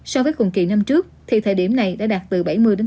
so với cùng kỳ năm trước thì thời điểm này đã đạt từ bảy mươi năm mươi